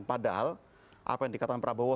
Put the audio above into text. padahal apa yang dikatakan prabowo